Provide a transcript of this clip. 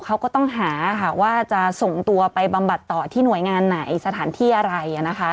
เขาก็ต้องหาค่ะว่าจะส่งตัวไปบำบัดต่อที่หน่วยงานไหนสถานที่อะไรนะคะ